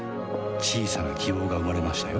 小さな希望が生まれましたよ